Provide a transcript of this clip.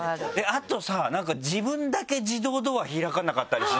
あとさなんか自分だけ自動ドア開かなかったりしない？